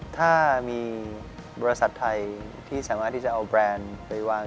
ถ้ามีบริษัทไทยที่สามารถที่จะเอาแบรนด์ไปวาง